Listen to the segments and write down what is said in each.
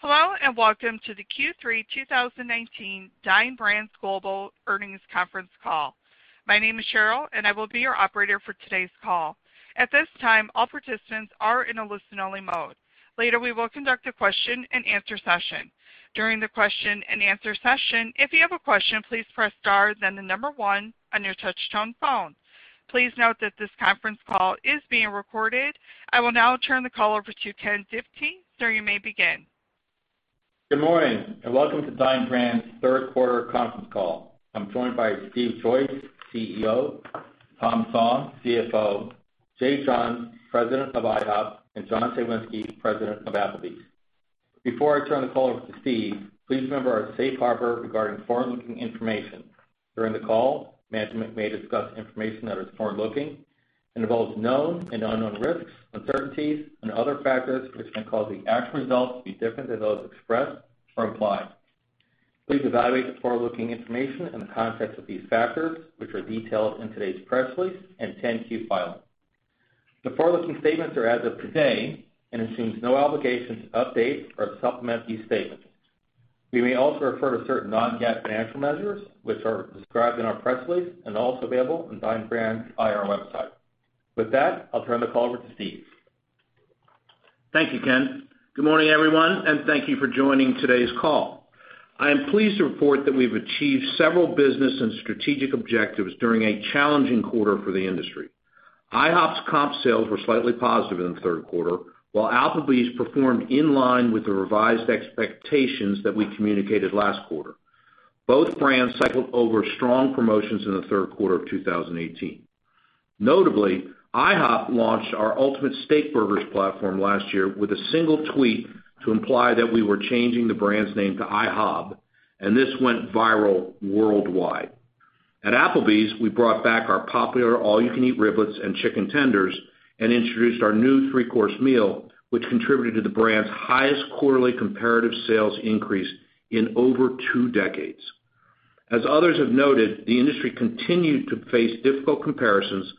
Hello, and welcome to the Q3 2019 Dine Brands Global earnings conference call. My name is Cheryl, and I will be your operator for today's call. At this time, all participants are in a listen-only mode. Later, we will conduct a question and answer session. During the question and answer session, if you have a question, please press star, then the number 1 on your touch-tone phone. Please note that this conference call is being recorded. I will now turn the call over to Ken Diptee. Sir, you may begin. Good morning, welcome to Dine Brands' third quarter conference call. I'm joined by Steve Joyce, Chief Executive Officer, Tom Song, Chief Financial Officer, Jay Johns, President of IHOP, and John Cywinski, President of Applebee's. Before I turn the call over to Steve, please remember our safe harbor regarding forward-looking information. During the call, management may discuss information that is forward-looking and involves known and unknown risks, uncertainties, and other factors which can cause the actual results to be different than those expressed or implied. Please evaluate the forward-looking information in the context of these factors, which are detailed in today's press release and Form 10-Q filing. The forward-looking statements are as of today and assumes no obligation to update or supplement these statements. We may also refer to certain non-GAAP financial measures, which are described in our press release and also available on Dine Brands' IR website. With that, I'll turn the call over to Steve. Thank you, Ken. Good morning, everyone, and thank you for joining today's call. I am pleased to report that we've achieved several business and strategic objectives during a challenging quarter for the industry. IHOP's comp sales were slightly positive in the third quarter, while Applebee's performed in line with the revised expectations that we communicated last quarter. Both brands cycled over strong promotions in the third quarter of 2018. Notably, IHOP launched our Ultimate Steakburgers platform last year with a single tweet to imply that we were changing the brand's name to IHOB, and this went viral worldwide. At Applebee's, we brought back our popular All-You-Can-Eat Riblets and Chicken Tenders and introduced our new 3-Course Meal, which contributed to the brand's highest quarterly comparative sales increase in over two decades. As others have noted, the industry continued to face difficult comparisons,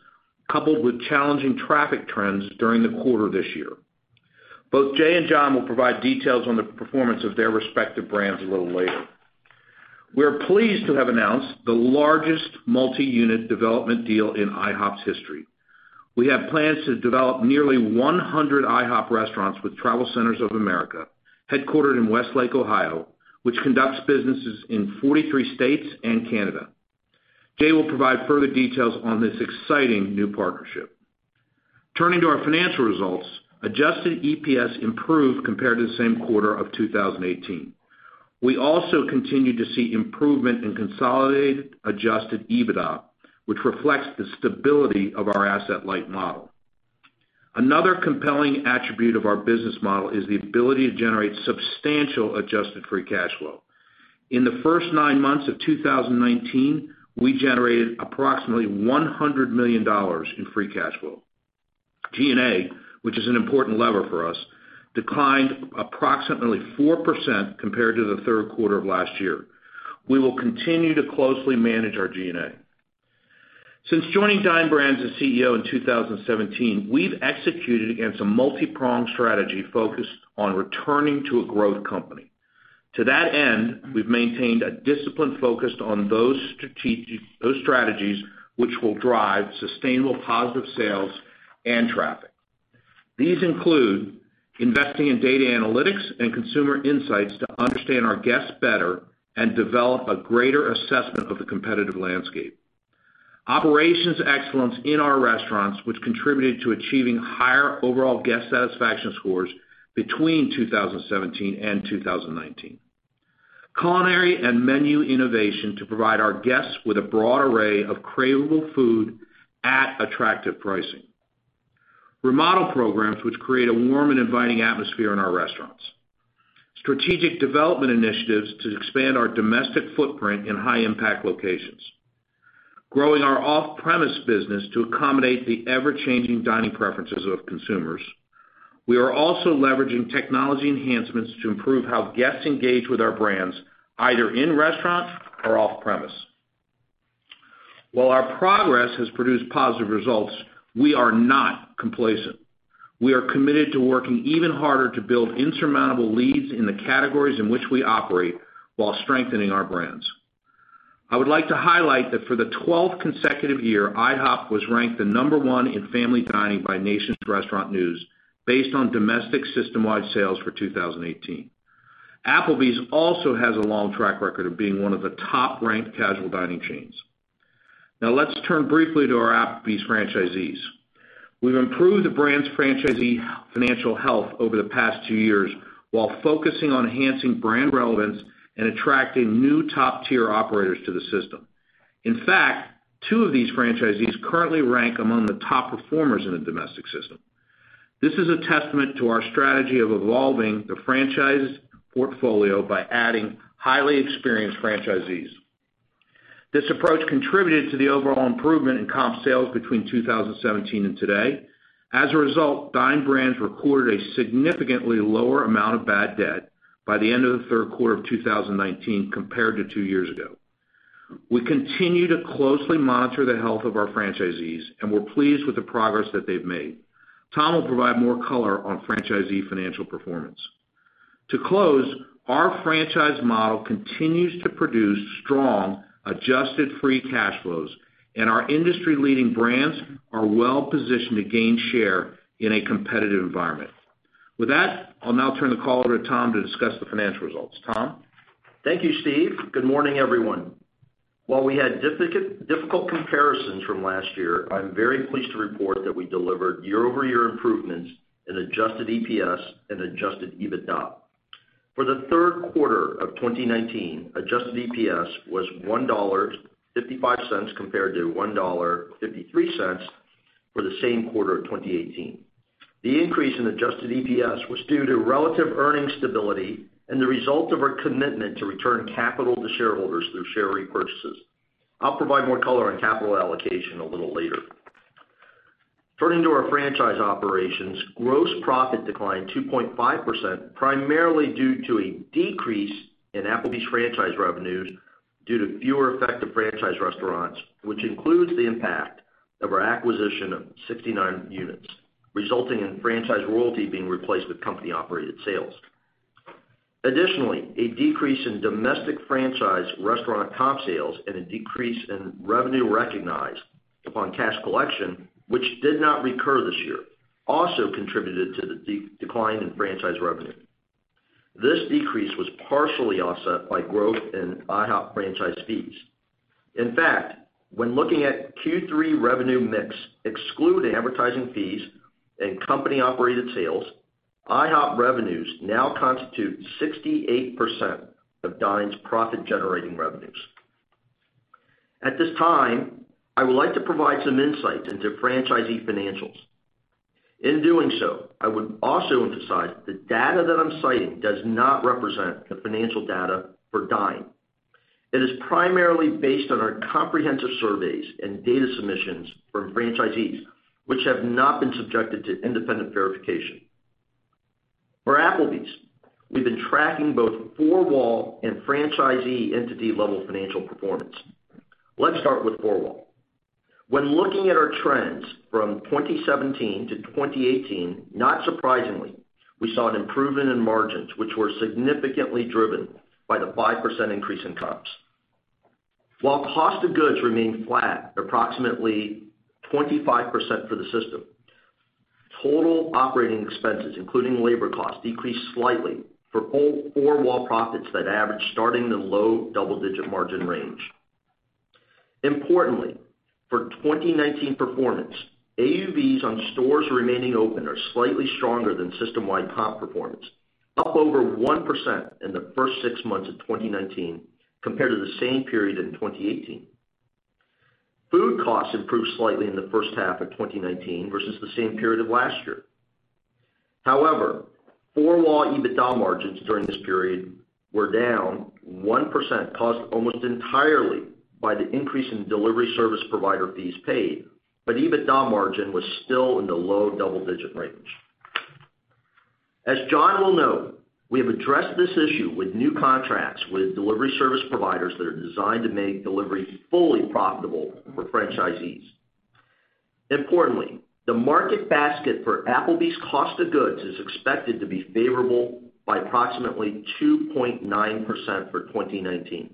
coupled with challenging traffic trends during the quarter this year. Both Jay and John will provide details on the performance of their respective brands a little later. We are pleased to have announced the largest multi-unit development deal in IHOP's history. We have plans to develop nearly 100 IHOP restaurants with TravelCenters of America, headquartered in Westlake, Ohio, which conducts businesses in 43 states and Canada. Jay will provide further details on this exciting new partnership. Turning to our financial results, adjusted EPS improved compared to the same quarter of 2018. We also continued to see improvement in consolidated adjusted EBITDA, which reflects the stability of our asset-light model. Another compelling attribute of our business model is the ability to generate substantial adjusted free cash flow. In the first nine months of 2019, we generated approximately $100 million in free cash flow. G&A, which is an important lever for us, declined approximately 4% compared to the third quarter of last year. We will continue to closely manage our G&A. Since joining Dine Brands as CEO in 2017, we've executed against a multi-pronged strategy focused on returning to a growth company. To that end, we've maintained a discipline focused on those strategies which will drive sustainable positive sales and traffic. These include investing in data analytics and consumer insights to understand our guests better and develop a greater assessment of the competitive landscape. Operations excellence in our restaurants, which contributed to achieving higher overall guest satisfaction scores between 2017 and 2019. Culinary and menu innovation to provide our guests with a broad array of craveable food at attractive pricing. Remodel programs which create a warm and inviting atmosphere in our restaurants. Strategic development initiatives to expand our domestic footprint in high-impact locations. Growing our off-premise business to accommodate the ever-changing dining preferences of consumers. We are also leveraging technology enhancements to improve how guests engage with our brands, either in-restaurant or off-premise. While our progress has produced positive results, we are not complacent. We are committed to working even harder to build insurmountable leads in the categories in which we operate while strengthening our brands. I would like to highlight that for the 12th consecutive year, IHOP was ranked the number one in family dining by Nation's Restaurant News based on domestic system-wide sales for 2018. Applebee's also has a long track record of being one of the top-ranked casual dining chains. Let's turn briefly to our Applebee's franchisees. We've improved the brand's franchisee financial health over the past two years while focusing on enhancing brand relevance and attracting new top-tier operators to the system. In fact, two of these franchisees currently rank among the top performers in the domestic system. This is a testament to our strategy of evolving the franchise portfolio by adding highly experienced franchisees. This approach contributed to the overall improvement in comp sales between 2017 and today. As a result, Dine Brands recorded a significantly lower amount of bad debt by the end of the third quarter of 2019 compared to two years ago. We continue to closely monitor the health of our franchisees, and we're pleased with the progress that they've made. Tom will provide more color on franchisee financial performance. To close, our franchise model continues to produce strong adjusted free cash flows, and our industry-leading brands are well positioned to gain share in a competitive environment. With that, I'll now turn the call over to Tom to discuss the financial results. Tom? Thank you, Steve. Good morning, everyone. While we had difficult comparisons from last year, I'm very pleased to report that we delivered year-over-year improvements in adjusted EPS and adjusted EBITDA. For the third quarter of 2019, adjusted EPS was $1.55 compared to $1.53 for the same quarter of 2018. The increase in adjusted EPS was due to relative earning stability and the result of our commitment to return capital to shareholders through share repurchases. I'll provide more color on capital allocation a little later. Turning to our franchise operations, gross profit declined 2.5%, primarily due to a decrease in Applebee's franchise revenues due to fewer effective franchise restaurants, which includes the impact of our acquisition of 69 units, resulting in franchise royalty being replaced with company-operated sales. Additionally, a decrease in domestic franchise restaurant comp sales and a decrease in revenue recognized upon cash collection, which did not recur this year, also contributed to the decline in franchise revenue. This decrease was partially offset by growth in IHOP franchise fees. In fact, when looking at Q3 revenue mix, excluding advertising fees and company-operated sales, IHOP revenues now constitute 68% of Dine's profit-generating revenues. At this time, I would like to provide some insights into franchisee financials. In doing so, I would also emphasize that the data that I'm citing does not represent the financial data for Dine. It is primarily based on our comprehensive surveys and data submissions from franchisees, which have not been subjected to independent verification. For Applebee's, we've been tracking both four-wall and franchisee entity-level financial performance. Let's start with four-wall. When looking at our trends from 2017 to 2018, not surprisingly, we saw an improvement in margins, which were significantly driven by the 5% increase in comps. While cost of goods remained flat at approximately 25% for the system, total operating expenses, including labor costs, decreased slightly for all four-wall profits that average starting in the low double-digit margin range. Importantly, for 2019 performance, AUVs on stores remaining open are slightly stronger than system-wide comp performance, up over 1% in the first six months of 2019 compared to the same period in 2018. Food costs improved slightly in the first half of 2019 versus the same period of last year. Four-wall EBITDA margins during this period were down 1%, caused almost entirely by the increase in delivery service provider fees paid, but EBITDA margin was still in the low double-digit range. As John will note, we have addressed this issue with new contracts with delivery service providers that are designed to make delivery fully profitable for franchisees. Importantly, the market basket for Applebee's cost of goods is expected to be favorable by approximately 2.9% for 2019.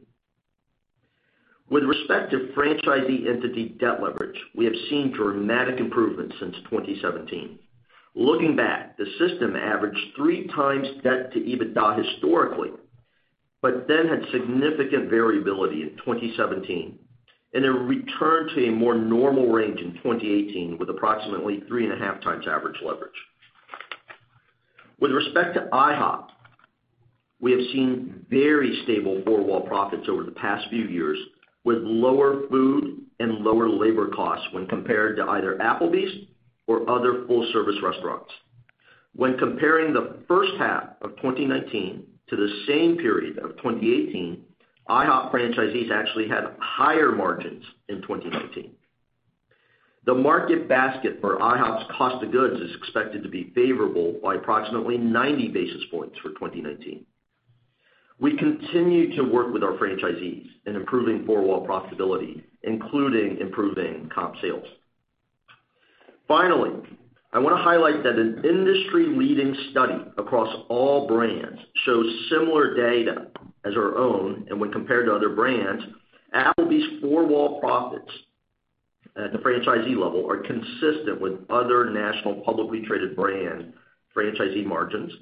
With respect to franchisee entity debt leverage, we have seen dramatic improvements since 2017. Looking back, the system averaged three times debt to EBITDA historically, but then had significant variability in 2017, and a return to a more normal range in 2018, with approximately three and a half times average leverage. With respect to IHOP, we have seen very stable four-wall profits over the past few years, with lower food and lower labor costs when compared to either Applebee's or other full-service restaurants. When comparing the first half of 2019 to the same period of 2018, IHOP franchisees actually had higher margins in 2019. The market basket for IHOP's cost of goods is expected to be favorable by approximately 90 basis points for 2019. We continue to work with our franchisees in improving four-wall profitability, including improving comp sales. Finally, I want to highlight that an industry-leading study across all brands shows similar data as our own, and when compared to other brands, Applebee's four-wall profits at the franchisee level are consistent with other national publicly traded brand franchisee margins,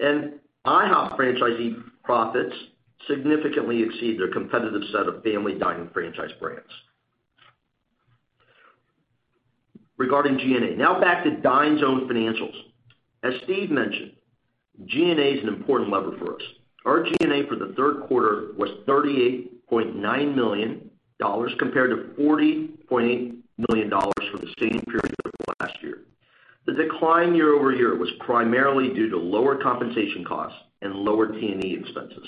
and IHOP franchisee profits significantly exceed their competitive set of family dining franchise brands. Regarding G&A. Now back to Dine's own financials. As Steve mentioned, G&A is an important lever for us. Our G&A for the third quarter was $38.9 million, compared to $40.8 million for the same period of last year. The decline year-over-year was primarily due to lower compensation costs and lower T&E expenses.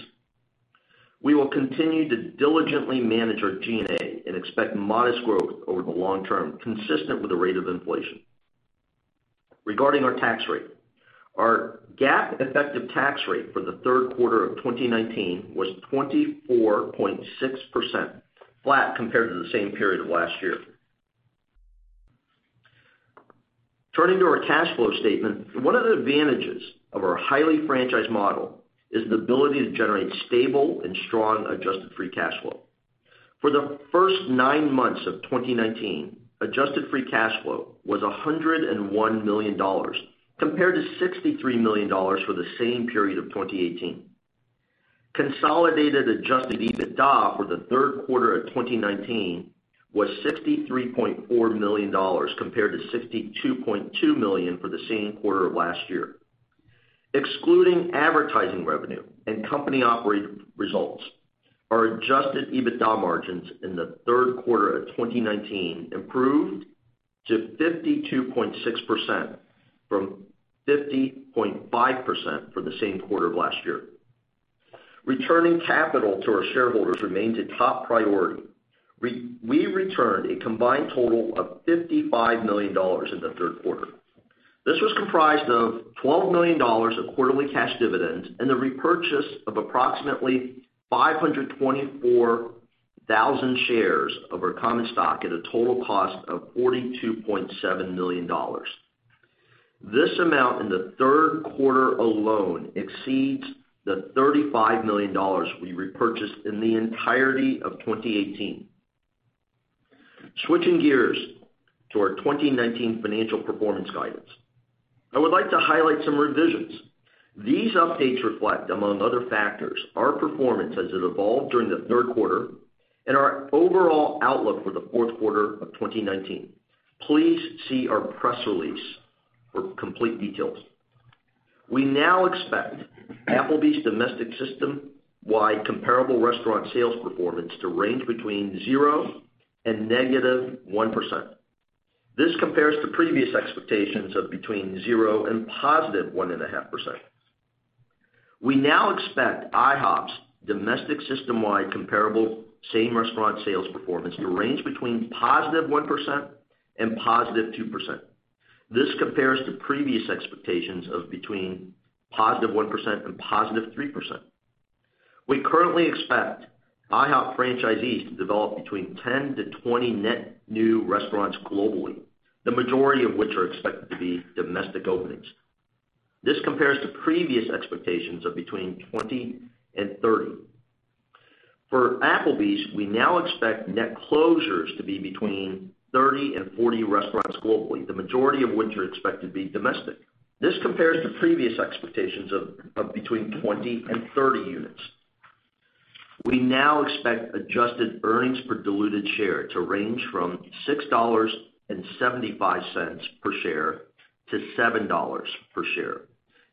We will continue to diligently manage our G&A and expect modest growth over the long term, consistent with the rate of inflation. Regarding our tax rate, our GAAP effective tax rate for the third quarter of 2019 was 24.6%, flat compared to the same period of last year. Turning to our cash flow statement, one of the advantages of our highly franchised model is the ability to generate stable and strong adjusted free cash flow. For the first nine months of 2019, adjusted free cash flow was $101 million, compared to $63 million for the same period of 2018. Consolidated adjusted EBITDA for the third quarter of 2019 was $63.4 million, compared to $62.2 million for the same quarter of last year. Excluding advertising revenue and company operating results, our adjusted EBITDA margins in the third quarter of 2019 improved to 52.6%, from 50.5% for the same quarter of last year. Returning capital to our shareholders remains a top priority. We returned a combined total of $55 million in the third quarter. This was comprised of $12 million of quarterly cash dividends and the repurchase of approximately 524,000 shares of our common stock at a total cost of $42.7 million. This amount in the third quarter alone exceeds the $35 million we repurchased in the entirety of 2018. Switching gears to our 2019 financial performance guidance. I would like to highlight some revisions. These updates reflect, among other factors, our performance as it evolved during the third quarter and our overall outlook for the fourth quarter of 2019. Please see our press release for complete details. We now expect Applebee's domestic systemwide comparable restaurant sales performance to range between zero and negative 1%. This compares to previous expectations of between zero and positive 1.5%. We now expect IHOP's domestic systemwide comparable same-restaurant sales performance to range between +1% and +2%. This compares to previous expectations of between +1% and +3%. We currently expect IHOP franchisees to develop between 10-20 net new restaurants globally, the majority of which are expected to be domestic openings. This compares to previous expectations of between 20-30. For Applebee's, we now expect net closures to be between 30-40 restaurants globally, the majority of which are expected to be domestic. This compares to previous expectations of between 20-30 units. We now expect adjusted earnings per diluted share to range from $6.75 per share-$7 per share.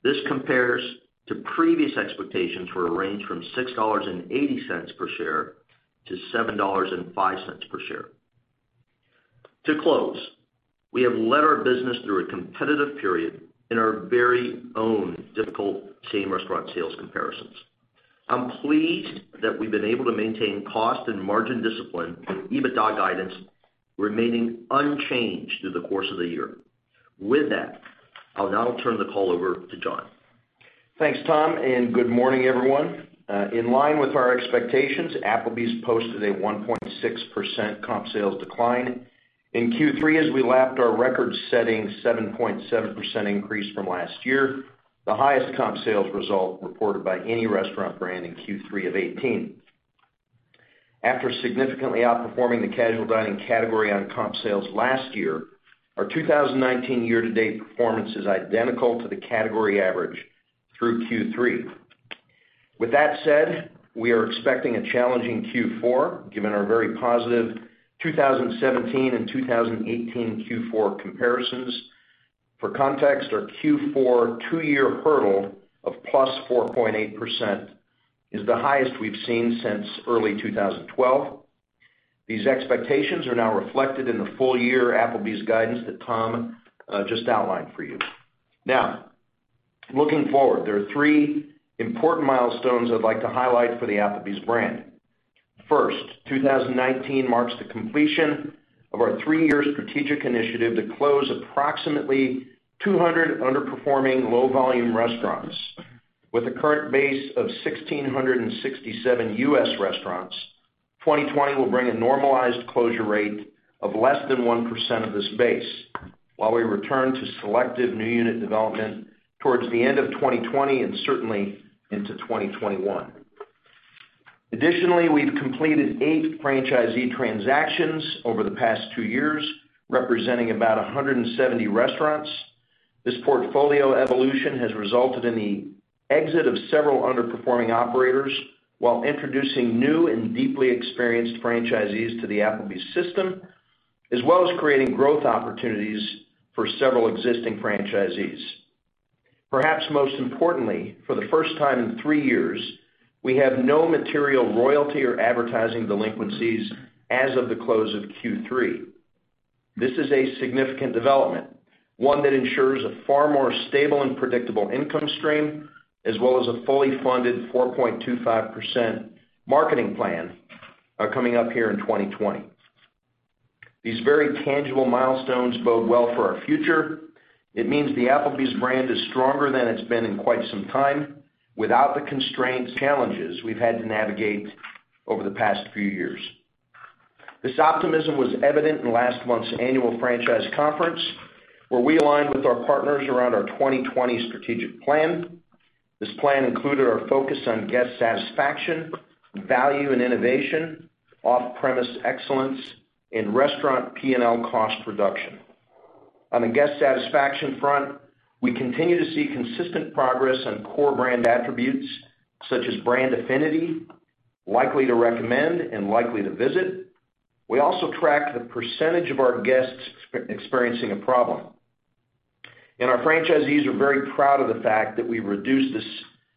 This compares to previous expectations for a range from $6.80 per share-$7.05 per share. To close, we have led our business through a competitive period in our very own difficult same-restaurant sales comparisons. I'm pleased that we've been able to maintain cost and margin discipline, with EBITDA guidance remaining unchanged through the course of the year. With that, I'll now turn the call over to John. Thanks, Tom, and good morning, everyone. In line with our expectations, Applebee's posted a 1.6% comp sales decline in Q3 as we lapped our record-setting 7.7% increase from last year, the highest comp sales result reported by any restaurant brand in Q3 of 2018. After significantly outperforming the casual dining category on comp sales last year, our 2019 year-to-date performance is identical to the category average through Q3. With that said, we are expecting a challenging Q4, given our very positive 2017 and 2018 Q4 comparisons. For context, our Q4 two-year hurdle of plus 4.8% is the highest we've seen since early 2012. These expectations are now reflected in the full-year Applebee's guidance that Tom just outlined for you. Now, looking forward, there are three important milestones I'd like to highlight for the Applebee's brand. 2019 marks the completion of our three-year strategic initiative to close approximately 200 underperforming low-volume restaurants. With a current base of 1,667 U.S. restaurants, 2020 will bring a normalized closure rate of less than 1% of this base, while we return to selective new unit development towards the end of 2020 and certainly into 2021. We've completed eight franchisee transactions over the past two years, representing about 170 restaurants. This portfolio evolution has resulted in the exit of several underperforming operators while introducing new and deeply experienced franchisees to the Applebee's system, as well as creating growth opportunities for several existing franchisees. For the first time in three years, we have no material royalty or advertising delinquencies as of the close of Q3. This is a significant development, one that ensures a far more stable and predictable income stream, as well as a fully funded 4.25% marketing plan coming up here in 2020. These very tangible milestones bode well for our future. It means the Applebee's brand is stronger than it's been in quite some time, without the constraints, challenges we've had to navigate over the past few years. This optimism was evident in last month's annual franchise conference, where we aligned with our partners around our 2020 strategic plan. This plan included our focus on guest satisfaction, value and innovation, off-premise excellence, and restaurant P&L cost reduction. On the guest satisfaction front, we continue to see consistent progress on core brand attributes such as brand affinity, likely to recommend, and likely to visit. We also track the percentage of our guests experiencing a problem. Our franchisees are very proud of the fact that we reduced this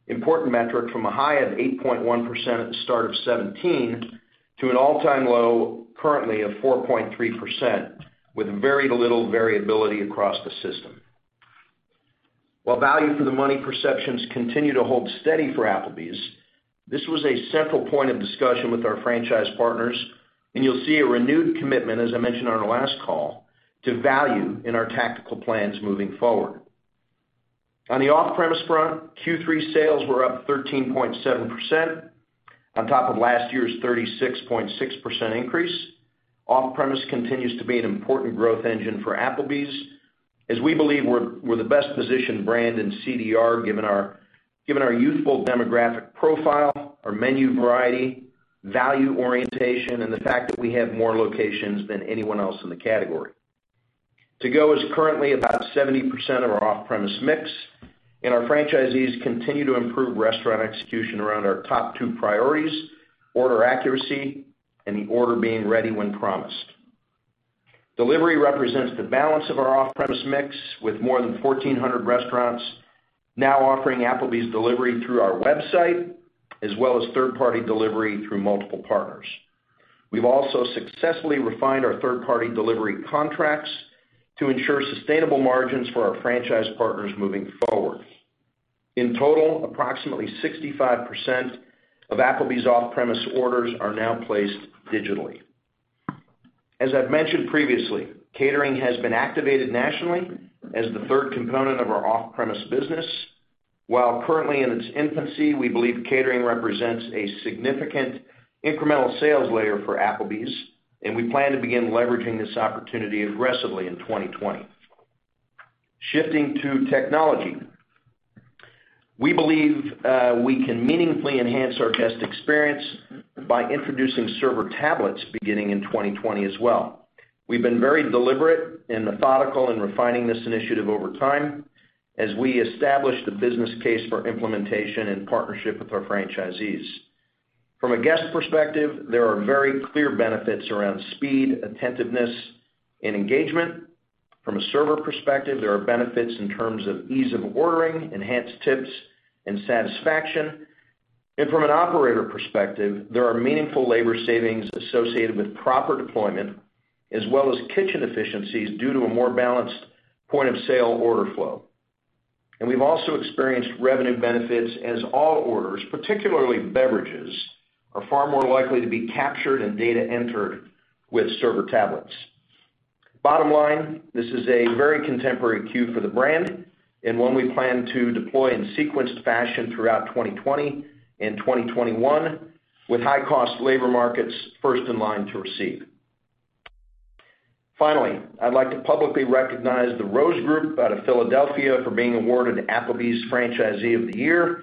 important metric from a high of 8.1% at the start of 2017, to an all-time low currently of 4.3%, with very little variability across the system. While value for the money perceptions continue to hold steady for Applebee's, this was a central point of discussion with our franchise partners, and you'll see a renewed commitment, as I mentioned on our last call, to value in our tactical plans moving forward. On the off-premise front, Q3 sales were up 13.7%, on top of last year's 36.6% increase. Off-premise continues to be an important growth engine for Applebee's, as we believe we're the best-positioned brand in CDR, given our youthful demographic profile, our menu variety, value orientation, and the fact that we have more locations than anyone else in the category. To-go is currently about 70% of our off-premise mix, and our franchisees continue to improve restaurant execution around our top two priorities, order accuracy and the order being ready when promised. Delivery represents the balance of our off-premise mix, with more than 1,400 restaurants now offering Applebee's delivery through our website, as well as third-party delivery through multiple partners. We've also successfully refined our third-party delivery contracts to ensure sustainable margins for our franchise partners moving forward. In total, approximately 65% of Applebee's off-premise orders are now placed digitally. As I've mentioned previously, catering has been activated nationally as the third component of our off-premise business. While currently in its infancy, we believe catering represents a significant incremental sales layer for Applebee's, and we plan to begin leveraging this opportunity aggressively in 2020. Shifting to technology. We believe we can meaningfully enhance our guest experience by introducing server tablets beginning in 2020 as well. We've been very deliberate and methodical in refining this initiative over time, as we establish the business case for implementation and partnership with our franchisees. From a guest perspective, there are very clear benefits around speed, attentiveness, and engagement. From a server perspective, there are benefits in terms of ease of ordering, enhanced tips, and satisfaction. From an operator perspective, there are meaningful labor savings associated with proper deployment, as well as kitchen efficiencies due to a more balanced point-of-sale order flow. We've also experienced revenue benefits as all orders, particularly beverages, are far more likely to be captured and data entered with server tablets. Bottom line, this is a very contemporary Q for the brand, and one we plan to deploy in sequenced fashion throughout 2020 and 2021, with high-cost labor markets first in line to receive. Finally, I'd like to publicly recognize The Rose Group out of Philadelphia for being awarded Applebee's Franchisee of the Year,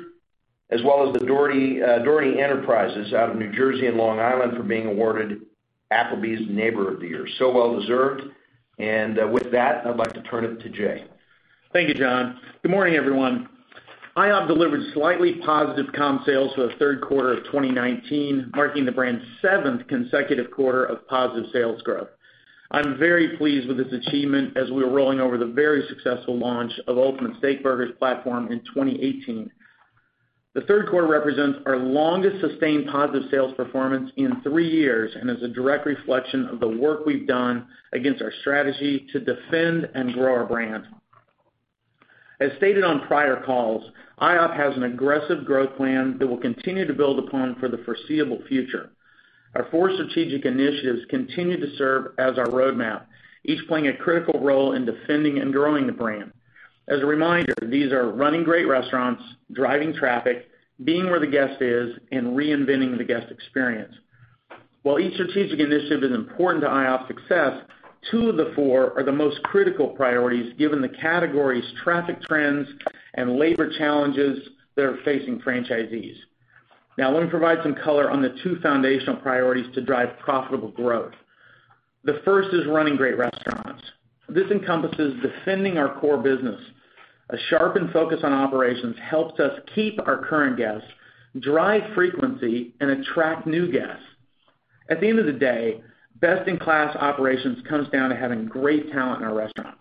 as well as Doherty Enterprises out of New Jersey and Long Island for being awarded Applebee's Neighbor of the Year. Well-deserved. With that, I'd like to turn it to Jay. Thank you, John. Good morning, everyone. IHOP delivered slightly positive comp sales for the third quarter of 2019, marking the brand's seventh consecutive quarter of positive sales growth. I'm very pleased with this achievement, as we are rolling over the very successful launch of Ultimate Steakburgers platform in 2018. The third quarter represents our longest sustained positive sales performance in three years and is a direct reflection of the work we've done against our strategy to defend and grow our brand. As stated on prior calls, IHOP has an aggressive growth plan that we'll continue to build upon for the foreseeable future. Our four strategic initiatives continue to serve as our roadmap, each playing a critical role in defending and growing the brand. As a reminder, these are running great restaurants, driving traffic, being where the guest is, and reinventing the guest experience. While each strategic initiative is important to IHOP's success, two of the four are the most critical priorities given the category's traffic trends and labor challenges that are facing franchisees. I want to provide some color on the two foundational priorities to drive profitable growth. The first is running great restaurants. This encompasses defending our core business. A sharpened focus on operations helps us keep our current guests, drive frequency, and attract new guests. At the end of the day, best-in-class operations comes down to having great talent in our restaurants.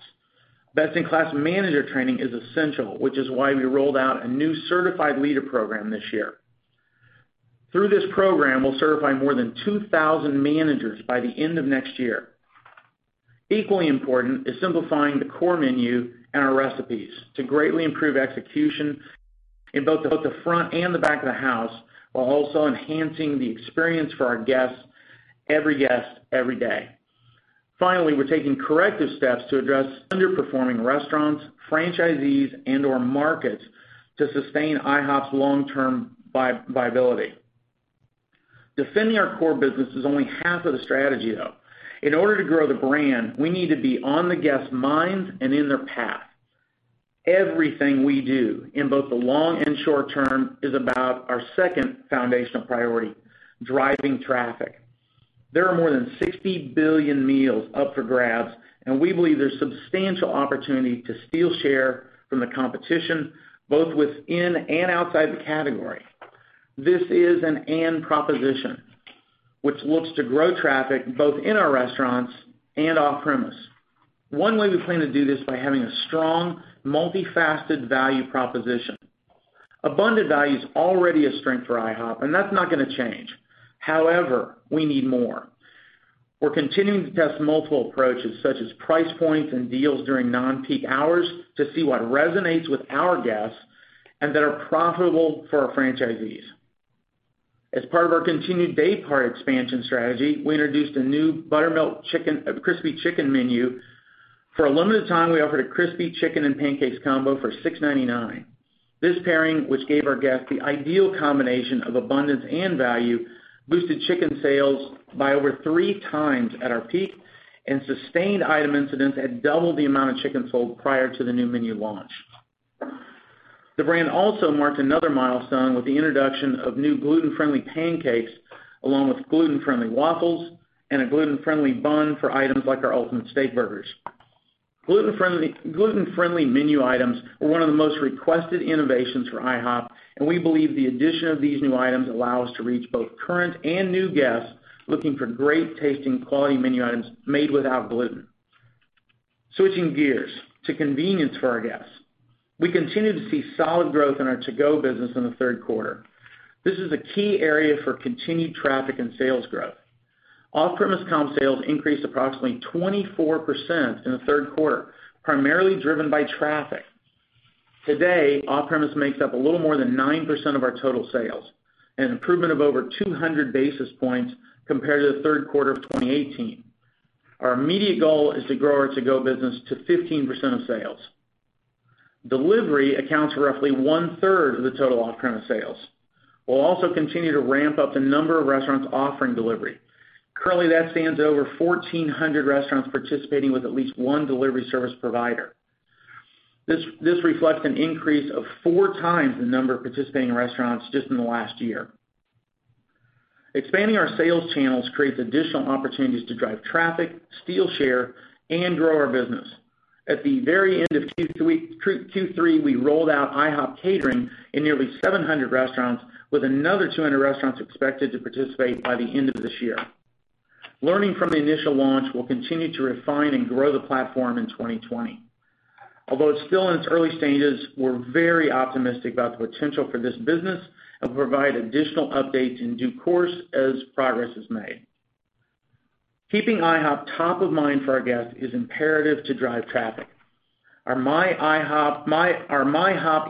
Best-in-class manager training is essential, which is why we rolled out a new certified leader program this year. Through this program, we'll certify more than 2,000 managers by the end of next year. Equally important is simplifying the core menu and our recipes to greatly improve execution in both the front and the back of the house, while also enhancing the experience for our guests, every guest, every day. Finally, we're taking corrective steps to address underperforming restaurants, franchisees, and/or markets to sustain IHOP's long-term viability. Defending our core business is only half of the strategy, though. In order to grow the brand, we need to be on the guests' minds and in their path. Everything we do in both the long and short term is about our second foundational priority, driving traffic. There are more than 60 billion meals up for grabs, and we believe there's substantial opportunity to steal share from the competition both within and outside the category. This is an and proposition, which looks to grow traffic both in our restaurants and off-premise. One way we plan to do this by having a strong multi-faceted value proposition. Abundant value is already a strength for IHOP, and that's not going to change. However, we need more. We're continuing to test multiple approaches, such as price points and deals during non-peak hours to see what resonates with our guests and that are profitable for our franchisees. As part of our continued day part expansion strategy, we introduced a new buttermilk crispy chicken menu. For a limited time, we offered a crispy chicken and pancakes combo for $6.99. This pairing, which gave our guests the ideal combination of abundance and value, boosted chicken sales by over three times at our peak, and sustained item incidents at double the amount of chicken sold prior to the new menu launch. The brand also marked another milestone with the introduction of new gluten-friendly pancakes, along with gluten-friendly waffles and a gluten-friendly bun for items like our Ultimate Steakburgers. Gluten-friendly menu items were one of the most requested innovations for IHOP, and we believe the addition of these new items allow us to reach both current and new guests looking for great-tasting, quality menu items made without gluten. Switching gears to convenience for our guests. We continue to see solid growth in our to-go business in the third quarter. This is a key area for continued traffic and sales growth. Off-premise comp sales increased approximately 24% in the third quarter, primarily driven by traffic. Today, off-premise makes up a little more than 9% of our total sales, an improvement of over 200 basis points compared to the third quarter of 2018. Our immediate goal is to grow our to-go business to 15% of sales. Delivery accounts for roughly one-third of the total off-premise sales. We'll also continue to ramp up the number of restaurants offering delivery. Currently, that stands over 1,400 restaurants participating with at least one delivery service provider. This reflects an increase of four times the number of participating restaurants just in the last year. Expanding our sales channels creates additional opportunities to drive traffic, steal share, and grow our business. At the very end of Q3, we rolled out IHOP catering in nearly 700 restaurants, with another 200 restaurants expected to participate by the end of this year. Learning from the initial launch, we'll continue to refine and grow the platform in 2020. Although it's still in its early stages, we're very optimistic about the potential for this business and provide additional updates in due course as progress is made. Keeping IHOP top of mind for our guests is imperative to drive traffic. Our MyIHOP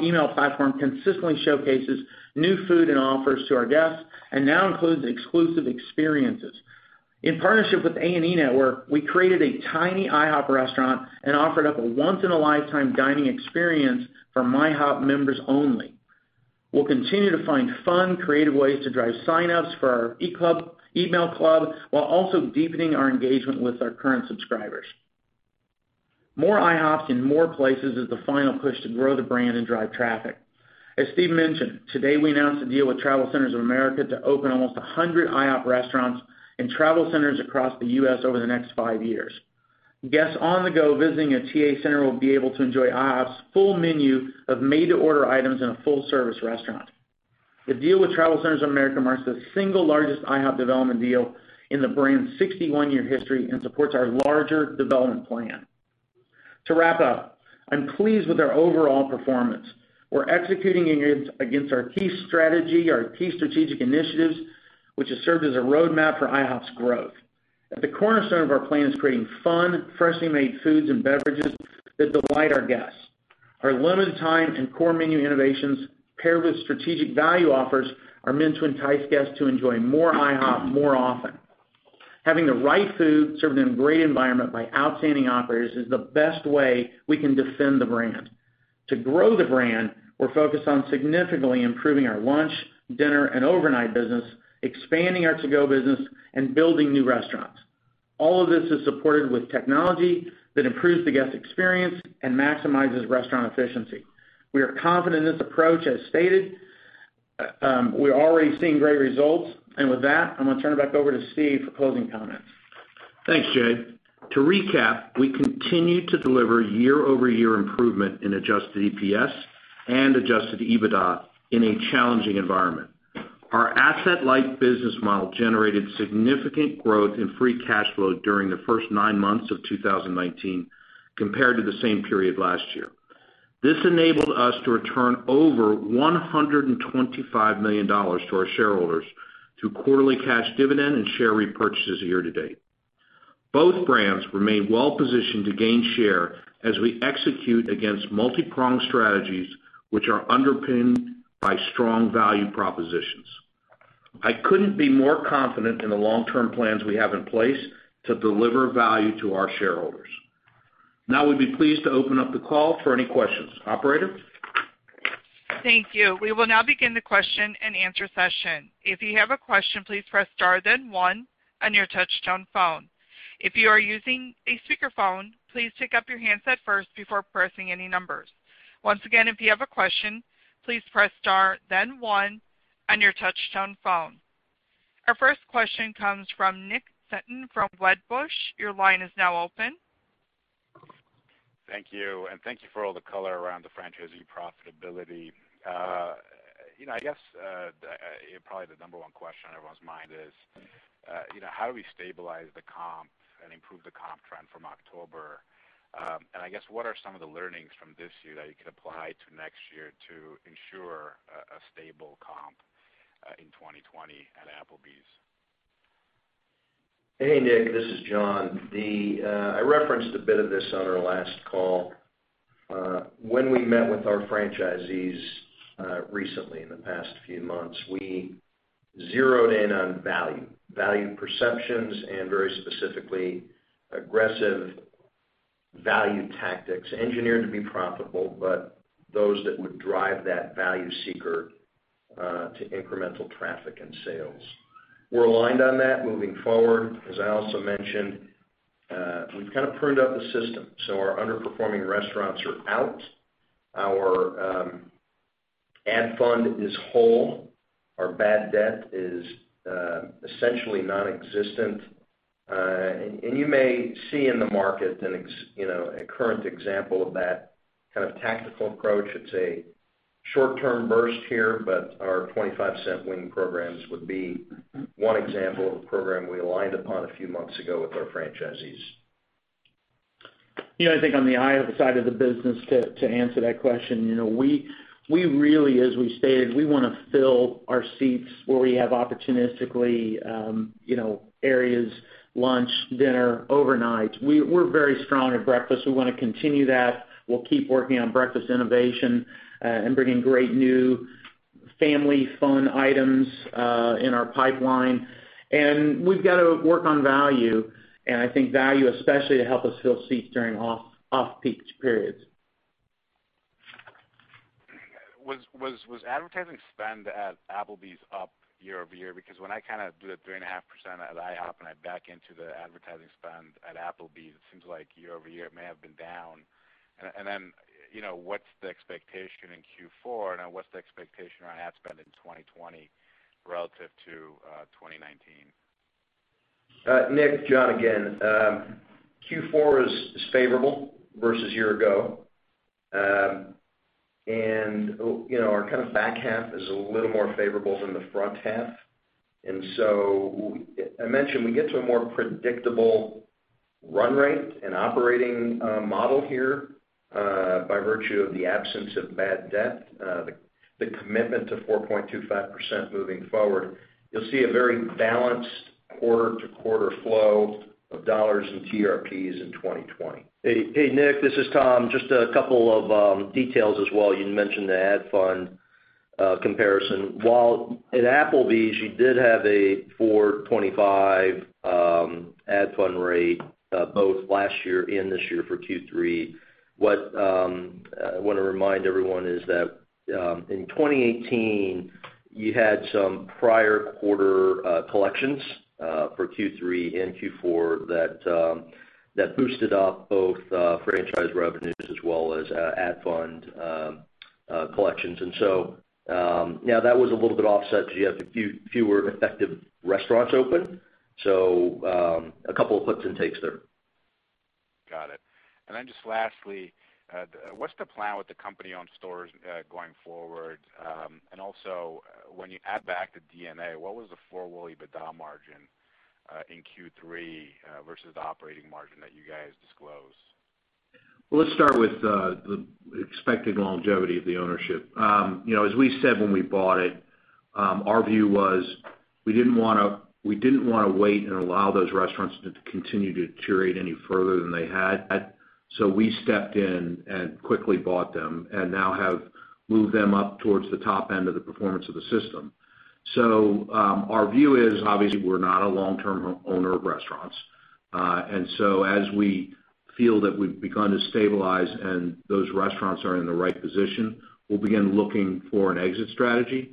email platform consistently showcases new food and offers to our guests and now includes exclusive experiences. In partnership with A&E Network, we created a tiny IHOP restaurant and offered up a once-in-a-lifetime dining experience for MyIHOP members only. We'll continue to find fun, creative ways to drive signups for our email club, while also deepening our engagement with our current subscribers. More IHOPs in more places is the final push to grow the brand and drive traffic. As Steve mentioned, today we announced a deal with TravelCenters of America to open almost 100 IHOP restaurants and travel centers across the U.S. over the next five years. Guests on the go visiting a TA center will be able to enjoy IHOP's full menu of made-to-order items in a full-service restaurant. The deal with TravelCenters of America marks the single largest IHOP development deal in the brand's 61-year history and supports our larger development plan. To wrap up, I'm pleased with our overall performance. We're executing against our key strategy, our key strategic initiatives, which has served as a roadmap for IHOP's growth. At the cornerstone of our plan is creating fun, freshly made foods and beverages that delight our guests. Our limited time and core menu innovations, paired with strategic value offers, are meant to entice guests to enjoy more IHOP more often. Having the right food served in a great environment by outstanding operators is the best way we can defend the brand. To grow the brand, we're focused on significantly improving our lunch, dinner, and overnight business, expanding our to-go business, and building new restaurants. All of this is supported with technology that improves the guest experience and maximizes restaurant efficiency. We are confident in this approach, as stated. We're already seeing great results. With that, I'm going to turn it back over to Steve for closing comments. Thanks, Jay. To recap, we continue to deliver year-over-year improvement in adjusted EPS and adjusted EBITDA in a challenging environment. Our asset-light business model generated significant growth in free cash flow during the first nine months of 2019 compared to the same period last year. This enabled us to return over $125 million to our shareholders through quarterly cash dividend and share repurchases year to date. Both brands remain well positioned to gain share as we execute against multipronged strategies, which are underpinned by strong value propositions. I couldn't be more confident in the long-term plans we have in place to deliver value to our shareholders. We'd be pleased to open up the call for any questions. Operator? Thank you. We will now begin the question and answer session. If you have a question, please press star then one on your touchtone phone. If you are using a speakerphone, please pick up your handset first before pressing any numbers. Once again, if you have a question, please press star then one on your touchtone phone. Our first question comes from Nick Setyan from Wedbush. Your line is now open. Thank you, and thank you for all the color around the franchisee profitability. I guess, probably the number one question on everyone's mind is: how do we stabilize the comp and improve the comp trend from October? I guess what are some of the learnings from this year that you could apply to next year to ensure a stable comp in 2020 at Applebee's? Hey, Nick. This is John. I referenced a bit of this on our last call. When we met with our franchisees recently, in the past few months, we zeroed in on value. Value perceptions, and very specifically, aggressive value tactics engineered to be profitable, but those that would drive that value seeker to incremental traffic and sales. We're aligned on that moving forward. As I also mentioned, we've kind of pruned up the system, so our underperforming restaurants are out. Our ad fund is whole. Our bad debt is essentially nonexistent. You may see in the market a current example of that kind of tactical approach. It's a short-term burst here, but our $0.25 wing programs would be one example of a program we aligned upon a few months ago with our franchisees. I think on the IHOP side of the business, to answer that question, we really, as we stated, we want to fill our seats where we have opportunistically areas, lunch, dinner, overnight. We're very strong at breakfast. We want to continue that. We'll keep working on breakfast innovation and bringing great new family fun items in our pipeline. We've got to work on value, and I think value especially to help us fill seats during off-peak periods. Was advertising spend at Applebee's up year-over-year? When I do the 3.5% at IHOP, and I back into the advertising spend at Applebee's, it seems like year-over-year it may have been down. What's the expectation in Q4, and what's the expectation around ad spend in 2020 relative to 2019? Nick, John again. Q4 is favorable versus year ago. Our kind of back half is a little more favorable than the front half. I mentioned we get to a more predictable run rate and operating model here by virtue of the absence of bad debt, the commitment to 4.25% moving forward. You'll see a very balanced quarter-to-quarter flow of dollars in TRPs in 2020. Hey, Nick, this is Tom. Just a couple of details as well. You mentioned the ad fund comparison. While at Applebee's, you did have a 4.25 ad fund rate both last year and this year for Q3. What I want to remind everyone is that in 2018, you had some prior quarter collections for Q3 and Q4 that boosted up both franchise revenues as well as ad fund collections. Now that was a little bit offset because you have fewer effective restaurants open. A couple of puts and takes there. Got it. Just lastly, what's the plan with the company-owned stores going forward? When you add back the G&A, what was the full EBITDA margin in Q3 versus the operating margin that you guys disclosed? Well, let's start with the expected longevity of the ownership. As we said when we bought it, our view was we didn't want to wait and allow those restaurants to continue to deteriorate any further than they had. We stepped in and quickly bought them, and now have moved them up towards the top end of the performance of the system. Our view is, obviously, we're not a long-term owner of restaurants. As we feel that we've begun to stabilize and those restaurants are in the right position, we'll begin looking for an exit strategy.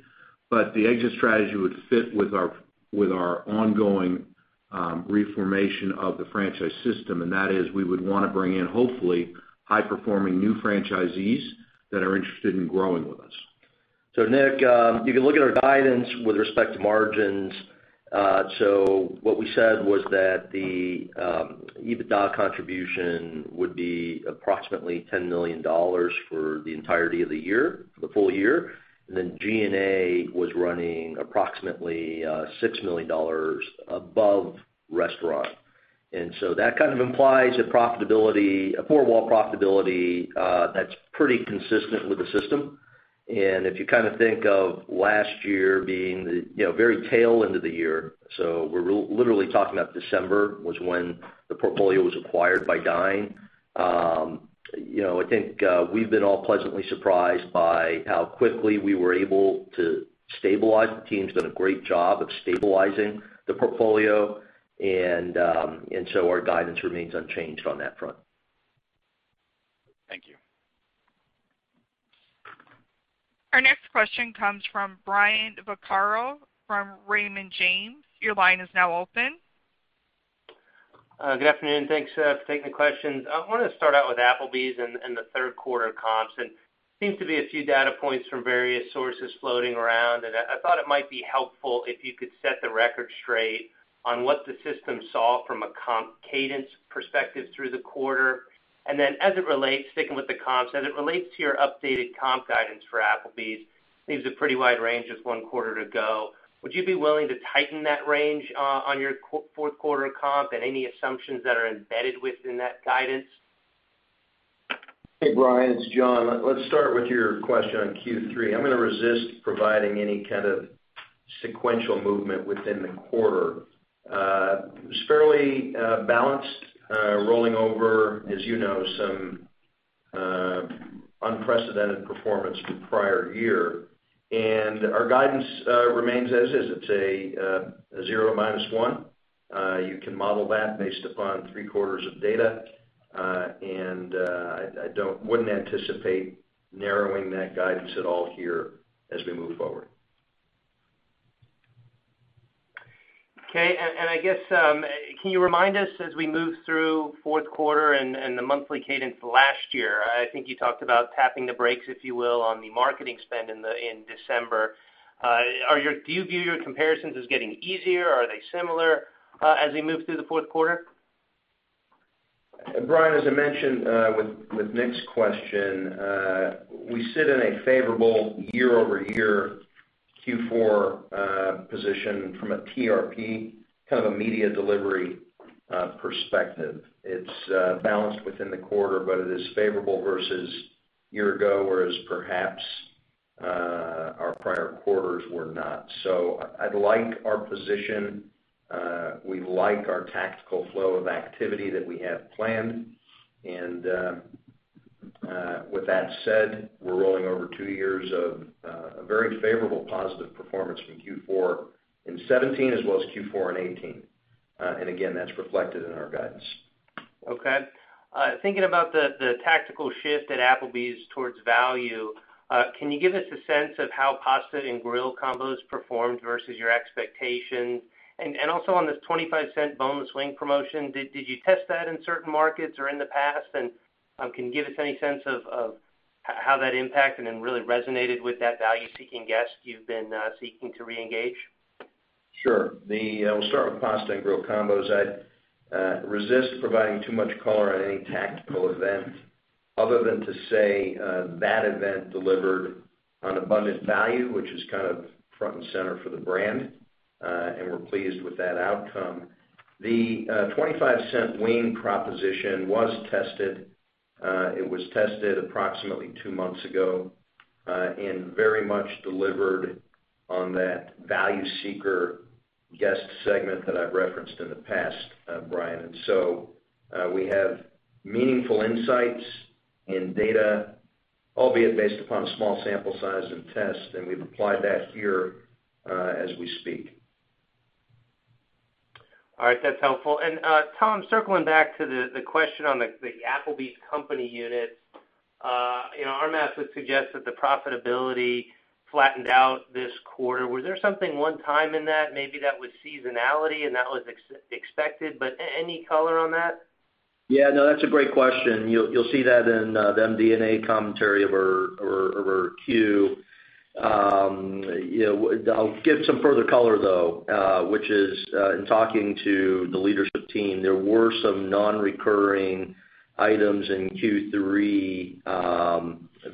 The exit strategy would fit with our ongoing reformation of the franchise system, and that is we would want to bring in, hopefully, high-performing new franchisees that are interested in growing with us. Nick, if you look at our guidance with respect to margins, so what we said was that the EBITDA contribution would be approximately $10 million for the entirety of the year, for the full year. Then G&A was running approximately $6 million above restaurant. That kind of implies a four-wall profitability that's pretty consistent with the system. If you think of last year being the very tail end of the year, so we're literally talking about December was when the portfolio was acquired by Dine. I think we've been all pleasantly surprised by how quickly we were able to stabilize. The team's done a great job of stabilizing the portfolio, our guidance remains unchanged on that front. Thank you. Our next question comes from Brian Vaccaro, from Raymond James. Your line is now open. Good afternoon. Thanks, taking the questions. I want to start out with Applebee's and the third quarter comps. It seems to be a few data points from various sources floating around, and I thought it might be helpful if you could set the record straight on what the system saw from a comp cadence perspective through the quarter. As it relates, sticking with the comps, as it relates to your updated comp guidance for Applebee's, it seems a pretty wide range just one quarter to go. Would you be willing to tighten that range on your fourth quarter comp and any assumptions that are embedded within that guidance? Hey, Brian, it's John. Let's start with your question on Q3. I'm going to resist providing any kind of sequential movement within the quarter. It was fairly balanced, rolling over, as you know, some unprecedented performance the prior year. Our guidance remains as is. It's a zero minus one. You can model that based upon three quarters of data. I wouldn't anticipate narrowing that guidance at all here as we move forward. Okay, I guess, can you remind us as we move through fourth quarter and the monthly cadence last year, I think you talked about tapping the brakes, if you will, on the marketing spend in December. Do you view your comparisons as getting easier, or are they similar as we move through the fourth quarter? Brian, as I mentioned, with Nick's question, we sit in a favorable year-over-year Q4 position from a TRP, kind of a media delivery perspective. It's balanced within the quarter, but it is favorable versus year ago, whereas perhaps our prior quarters were not. I like our position. We like our tactical flow of activity that we have planned. With that said, we're rolling over two years of a very favorable positive performance from Q4 in 2017 as well as Q4 in 2018. Again, that's reflected in our guidance. Okay. Thinking about the tactical shift at Applebee's towards value, can you give us a sense of how pasta and grill combos performed versus your expectations? Also on this 25-cent boneless wing promotion, did you test that in certain markets or in the past, and can you give us any sense of how that impacted and really resonated with that value-seeking guest you've been seeking to reengage? Sure. We'll start with pasta and grill combos. I'd resist providing too much color on any tactical event other than to say, that event delivered on abundant value, which is kind of front and center for the brand. We're pleased with that outcome. The $0.25 wing proposition was tested. It was tested approximately two months ago, and very much delivered on that value seeker guest segment that I've referenced in the past, Brian. We have meaningful insights and data, albeit based upon a small sample size and test, and we've applied that here, as we speak. All right. That's helpful. Tom, circling back to the question on the Applebee's company unit. Our math would suggest that the profitability flattened out this quarter. Was there something one time in that, maybe that was seasonality and that was expected, but any color on that? Yeah, no, that's a great question. You'll see that in the MD&A commentary of our Q. I'll give some further color, though, which is, in talking to the leadership team, there were some non-recurring items in Q3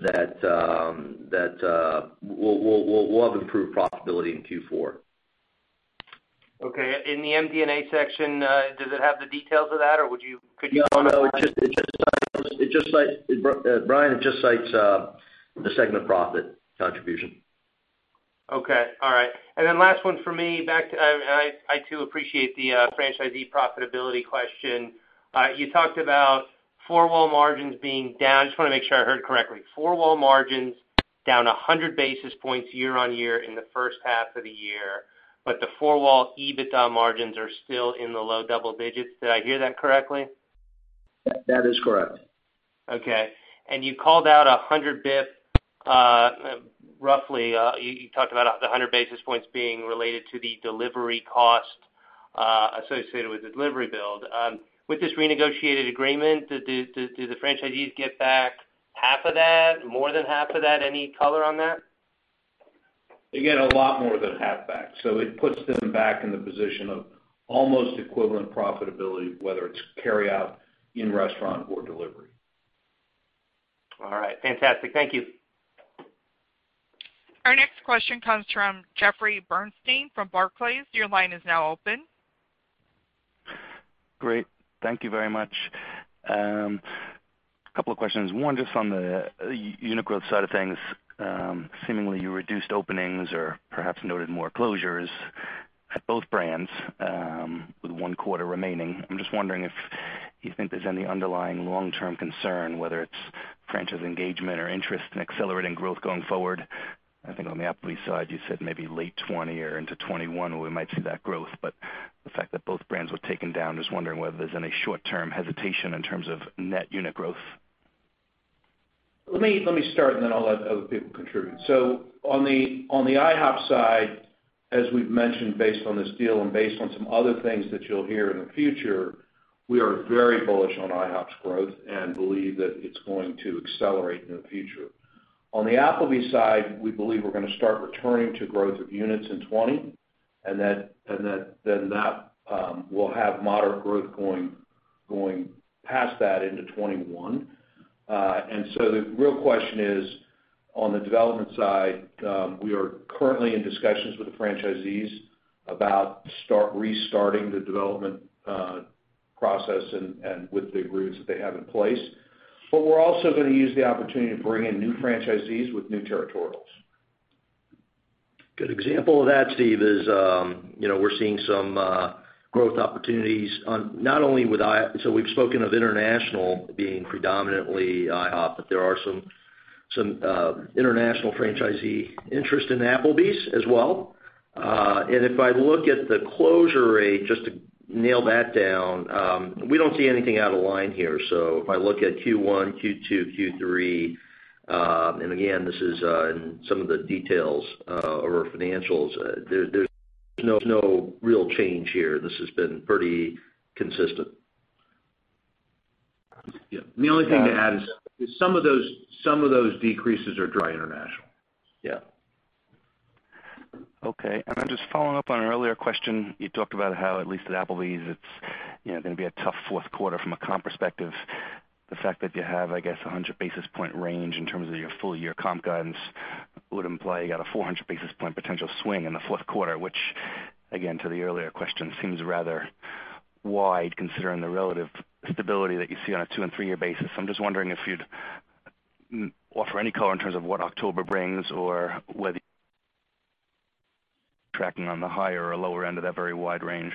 that we'll have improved profitability in Q4. In the MD&A section, does it have the details of that, or could you elaborate? No, Brian, it just cites the segment profit contribution. Okay. All right. Last one for me. I too appreciate the franchisee profitability question. You talked about four-wall margins being down. I just want to make sure I heard correctly. Four-wall margins down 100 basis points year-on-year in the first half of the year, but the four-wall EBITDA margins are still in the low double digits. Did I hear that correctly? That is correct. Okay. You called out 100 bip, roughly, you talked about the 100 basis points being related to the delivery cost, associated with the delivery build. With this renegotiated agreement, do the franchisees get back half of that? More than half of that? Any color on that? They get a lot more than half back. It puts them back in the position of almost equivalent profitability, whether it's carryout, in-restaurant, or delivery. All right. Fantastic. Thank you. Our next question comes from Jeffrey Bernstein from Barclays. Your line is now open. Great. Thank you very much. Couple of questions. One, just on the unit growth side of things. Seemingly, you reduced openings or perhaps noted more closures at both brands with one quarter remaining. I'm just wondering if you think there's any underlying long-term concern, whether it's franchise engagement or interest in accelerating growth going forward. I think on the Applebee's side, you said maybe late 2020 or into 2021 where we might see that growth, but the fact that both brands were taken down, just wondering whether there's any short-term hesitation in terms of net unit growth. Let me start, and then I'll let other people contribute. On the IHOP side, as we've mentioned, based on this deal and based on some other things that you'll hear in the future, we are very bullish on IHOP's growth and believe that it's going to accelerate in the future. On the Applebee's side, we believe we're going to start returning to growth of units in 2020, and then that will have moderate growth going past that into 2021. The real question is, on the development side, we are currently in discussions with the franchisees about restarting the development process and with the agreements that they have in place. We're also going to use the opportunity to bring in new franchisees with new territorials. Good example of that, Steve, is we're seeing some growth opportunities on not only with international being predominantly IHOP, but there are some international franchisee interest in Applebee's as well. If I look at the closure rate, just to nail that down, we don't see anything out of line here. If I look at Q1, Q2, Q3, and again, this is in some of the details of our financials, there's no real change here. This has been pretty consistent. Yeah. The only thing to add is some of those decreases are dry international. Yeah. Okay, just following up on an earlier question, you talked about how, at least at Applebee's, it's going to be a tough fourth quarter from a comp perspective. The fact that you have, I guess, 100 basis point range in terms of your full year comp guidance would imply you got a 400 basis point potential swing in the fourth quarter, which, again, to the earlier question, seems rather wide considering the relative stability that you see on a two and three-year basis. I'm just wondering if you'd offer any color in terms of what October brings or whether you're tracking on the higher or lower end of that very wide range.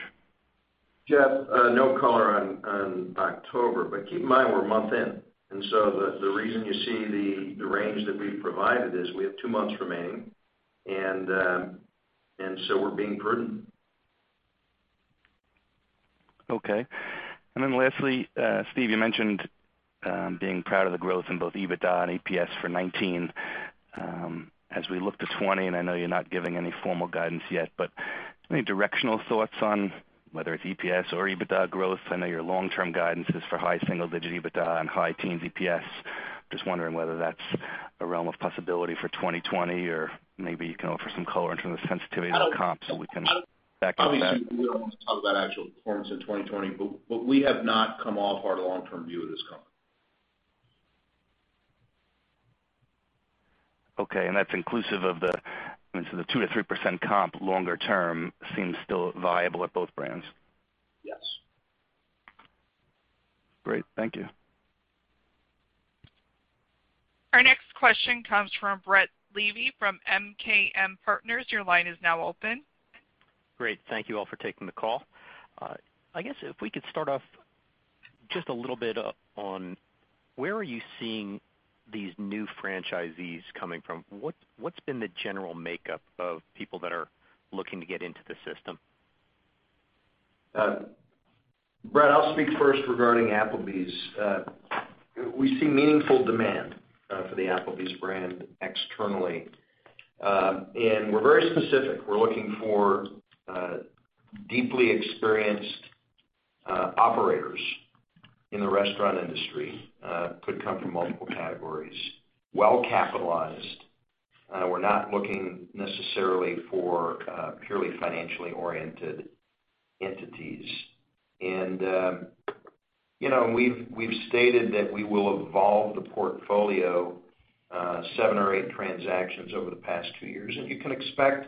Jeff, no color on October. Keep in mind, we're a month in. The reason you see the range that we've provided is we have two months remaining. We're being prudent. Okay. Lastly, Steve, you mentioned being proud of the growth in both EBITDA and EPS for 2019. As we look to 2020, I know you're not giving any formal guidance yet, but any directional thoughts on whether it's EPS or EBITDA growth? I know your long-term guidance is for high single-digit EBITDA and high teens EPS. Just wondering whether that's a realm of possibility for 2020 or maybe you can offer some color in terms of sensitivity to the comp so we can back out that. We don't want to talk about actual performance in 2020, but we have not come off our long-term view of this company. Okay, that's inclusive of the 2%-3% comp longer term seems still viable at both brands. Yes. Great. Thank you. Our next question comes from Brett Levy from MKM Partners. Your line is now open. Great. Thank you all for taking the call. I guess if we could start off just a little bit on where are you seeing these new franchisees coming from? What's been the general makeup of people that are looking to get into the system? Brett, I'll speak first regarding Applebee's. We see meaningful demand for the Applebee's brand externally. We're very specific. We're looking for deeply experienced operators in the restaurant industry. Could come from multiple categories. Well capitalized. We're not looking necessarily for purely financially oriented entities. We've stated that we will evolve the portfolio seven or eight transactions over the past two years, and you can expect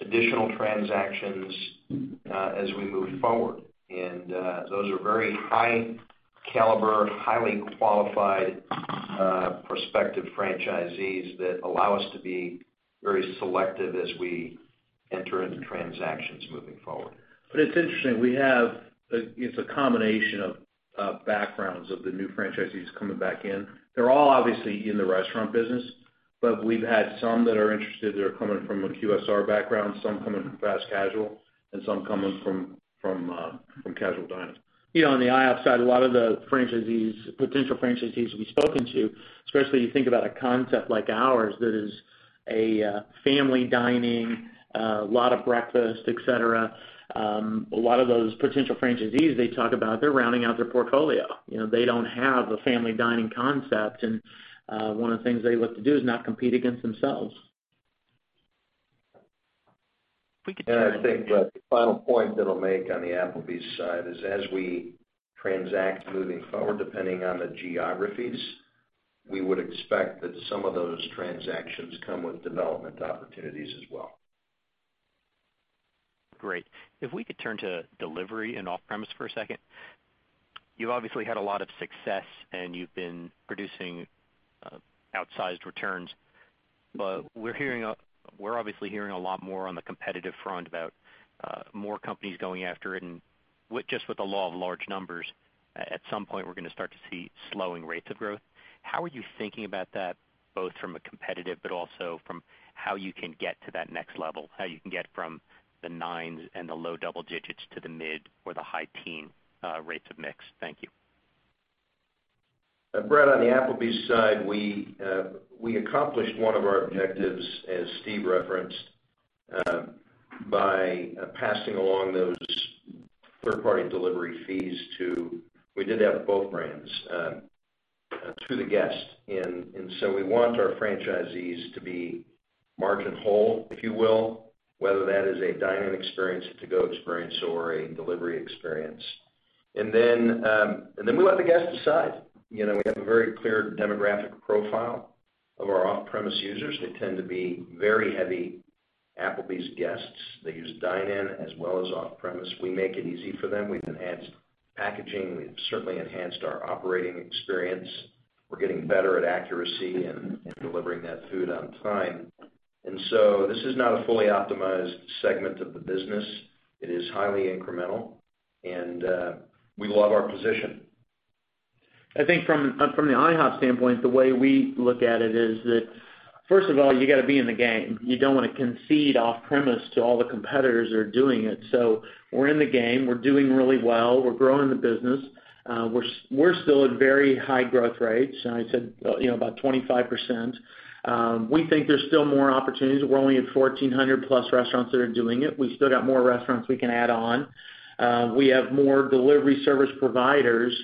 additional transactions as we move forward. Those are very high caliber, highly qualified prospective franchisees that allow us to be very selective as we enter into transactions moving forward. It's interesting. We have a combination of backgrounds of the new franchisees coming back in. They're all obviously in the restaurant business, but we've had some that are interested that are coming from a QSR background, some coming from fast casual, and some coming from casual dining. On the IHOP side, a lot of the potential franchisees we've spoken to, especially you think about a concept like ours that is a family dining, a lot of breakfast, et cetera. A lot of those potential franchisees, they talk about they're rounding out their portfolio. They don't have a family dining concept. One of the things they look to do is not compete against themselves. I think the final point that I'll make on the Applebee's side is as we transact moving forward, depending on the geographies, we would expect that some of those transactions come with development opportunities as well. Great. If we could turn to delivery and off-premise for a second, you've obviously had a lot of success and you've been producing outsized returns, but we're obviously hearing a lot more on the competitive front about more companies going after it and just with the law of large numbers, at some point, we're going to start to see slowing rates of growth. How are you thinking about that, both from a competitive but also from how you can get to that next level, how you can get from the nines and the low double digits to the mid or the high teen rates of mix? Thank you. Brett, on the Applebee's side, we accomplished one of our objectives, as Steve referenced, by passing along those third-party delivery fees to, we did that with both brands, to the guest. We want our franchisees to be margin whole, if you will, whether that is a dine-in experience, a to-go experience, or a delivery experience. We let the guest decide. We have a very clear demographic profile of our off-premise users. They tend to be very heavy Applebee's guests. They use dine-in as well as off-premise. We make it easy for them. We've enhanced packaging. We've certainly enhanced our operating experience. We're getting better at accuracy and delivering that food on time. This is not a fully optimized segment of the business. It is highly incremental, and we love our position. I think from the IHOP standpoint, the way we look at it is that, first of all, you got to be in the game. You don't want to concede off-premise to all the competitors that are doing it. We're in the game. We're doing really well. We're growing the business. We're still at very high growth rates. I said about 25%. We think there's still more opportunities. We're only at 1,400 plus restaurants that are doing it. We still got more restaurants we can add on. We have more delivery service providers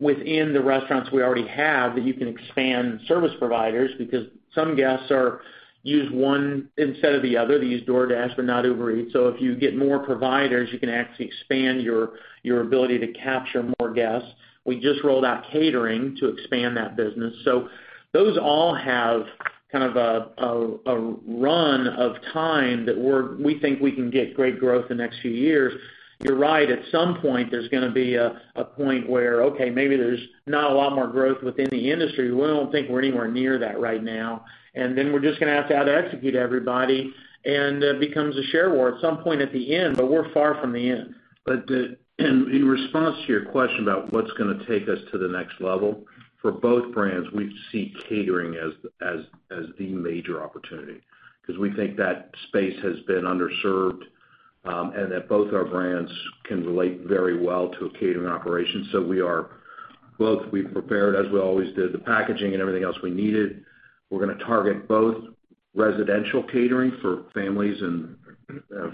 within the restaurants we already have that you can expand service providers because some guests use one instead of the other. They use DoorDash, but not Uber Eats. If you get more providers, you can actually expand your ability to capture more guests. We just rolled out catering to expand that business. Those all have kind of a run of time that we think we can get great growth the next few years. You're right, at some point, there's going to be a point where, okay, maybe there's not a lot more growth within the industry. We don't think we're anywhere near that right now. Then we're just going to have to out execute everybody, and it becomes a share war at some point at the end. We're far from the end. In response to your question about what's going to take us to the next level, for both brands, we see catering as the major opportunity because we think that space has been underserved, and that both our brands can relate very well to a catering operation. Both, we prepared, as we always do, the packaging and everything else we needed. We're going to target both residential catering for families and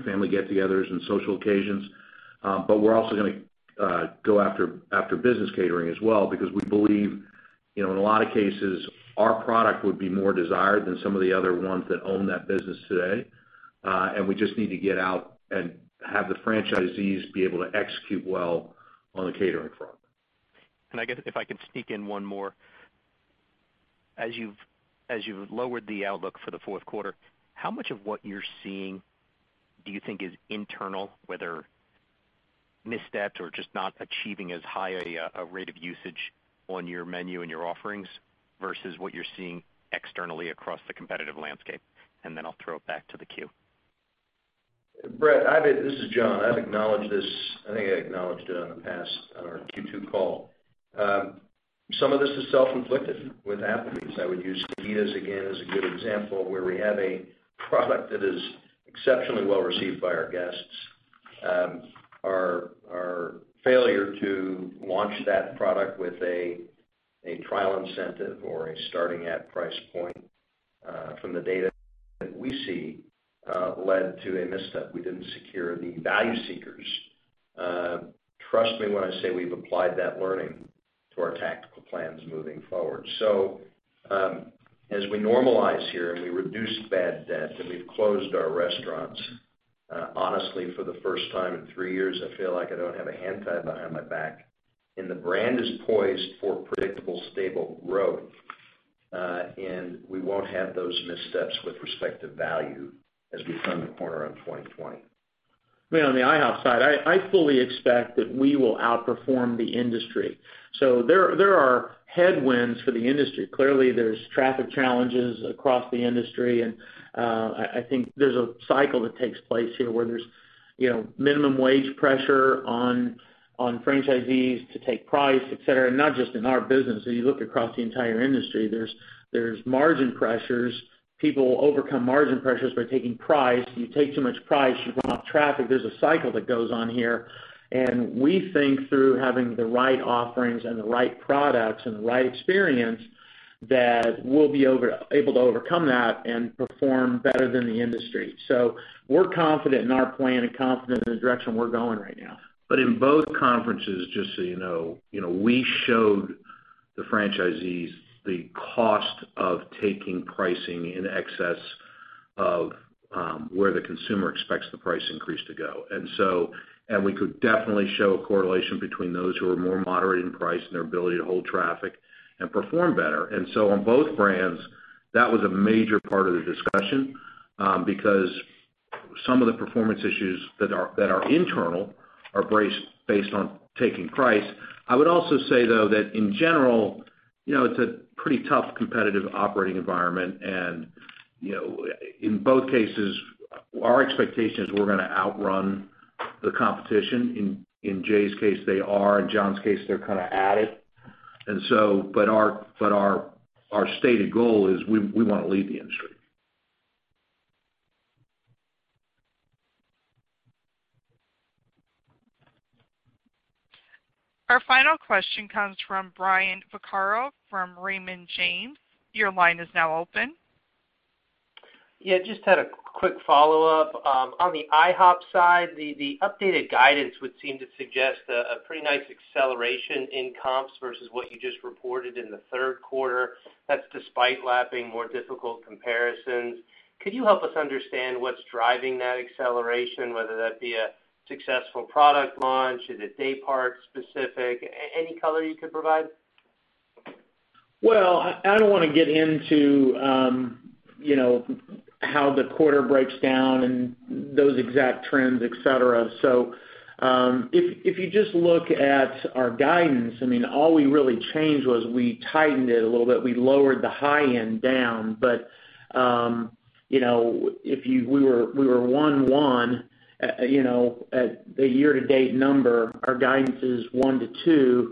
family get-togethers and social occasions. We're also going to go after business catering as well because we believe, in a lot of cases, our product would be more desired than some of the other ones that own that business today. We just need to get out and have the franchisees be able to execute well on the catering front. I guess if I could sneak in one more. As you've lowered the outlook for the fourth quarter, how much of what you're seeing do you think is internal, whether missteps or just not achieving as high a rate of usage on your menu and your offerings versus what you're seeing externally across the competitive landscape? I'll throw it back to the queue. Brett, this is John. I've acknowledged this, I think I acknowledged it on our Q2 call. Some of this is self-inflicted with Applebee's. I would use fajitas again as a good example where we have a product that is exceptionally well received by our guests. Our failure to launch that product with a trial incentive or a starting at price point, from the data that we see, led to a misstep. We didn't secure the value seekers. Trust me when I say we've applied that learning to our tactical plans moving forward. As we normalize here and we reduce bad debt and we've closed our restaurants, honestly, for the first time in three years, I feel like I don't have a hand tied behind my back. The brand is poised for predictable, stable growth, and we won't have those missteps with respect to value as we turn the corner on 2020. On the IHOP side, I fully expect that we will outperform the industry. There are headwinds for the industry. Clearly, there's traffic challenges across the industry. I think there's a cycle that takes place here where there's minimum wage pressure on franchisees to take price, et cetera, not just in our business. As you look across the entire industry, there's margin pressures. People overcome margin pressures by taking price. You take too much price, you run off traffic. There's a cycle that goes on here. We think through having the right offerings and the right products and the right experience, that we'll be able to overcome that and perform better than the industry. We're confident in our plan and confident in the direction we're going right now. In both conferences, just so you know, we showed. The franchisees, the cost of taking pricing in excess of where the consumer expects the price increase to go. We could definitely show a correlation between those who are more moderate in price and their ability to hold traffic and perform better. On both brands, that was a major part of the discussion, because some of the performance issues that are internal are based on taking price. I would also say, though, that in general, it's a pretty tough competitive operating environment. In both cases, our expectation is we're going to outrun the competition. In Jay's case, they are. In John's case, they're kind of at it. Our stated goal is we want to lead the industry. Our final question comes from Brian Vaccaro from Raymond James. Your line is now open. Just had a quick follow-up. On the IHOP side, the updated guidance would seem to suggest a pretty nice acceleration in comps versus what you just reported in the third quarter. That's despite lapping more difficult comparisons. Could you help us understand what's driving that acceleration, whether that be a successful product launch? Is it day part specific? Any color you could provide? I don't want to get into how the quarter breaks down and those exact trends, et cetera. If you just look at our guidance, all we really changed was we tightened it a little bit. We lowered the high end down. We were 1.1% at the year-to-date number. Our guidance is 1%-2%.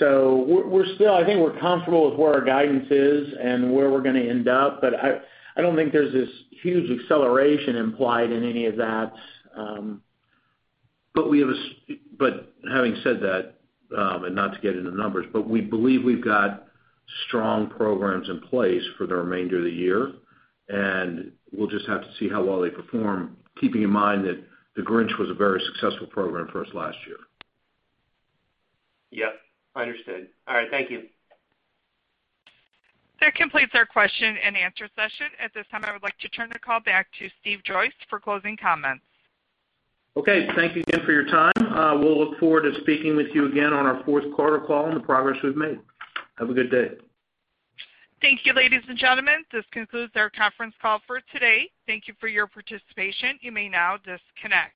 I think we're comfortable with where our guidance is and where we're going to end up, but I don't think there's this huge acceleration implied in any of that. Having said that, and not to get into numbers, we believe we've got strong programs in place for the remainder of the year, and we'll just have to see how well they perform, keeping in mind that The Grinch was a very successful program for us last year. Yep. Understood. All right, thank you. That completes our question and answer session. At this time, I would like to turn the call back to Steve Joyce for closing comments. Okay. Thank you again for your time. We'll look forward to speaking with you again on our fourth quarter call and the progress we've made. Have a good day. Thank you, ladies and gentlemen. This concludes our conference call for today. Thank you for your participation. You may now disconnect.